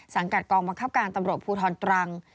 กัดกองบังคับการตำรวจภูทรตรัง